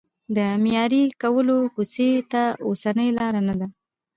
د معیاري کولو کوڅې ته اوسنۍ لار نه ده.